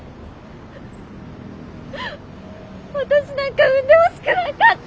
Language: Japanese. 私なんか産んでほしくなかった。